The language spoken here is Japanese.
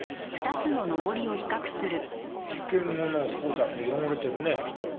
事件後のほうだけ汚れてるね。